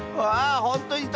ほんとだ！